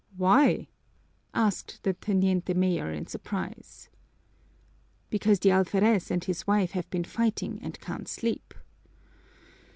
"Why?" asked the teniente mayor in surprise. "Because the alferez and his wife have been fighting and can't sleep."